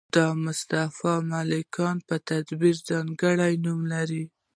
دا د مصطفی ملکیان په تعبیر ځانګړی نوم لري.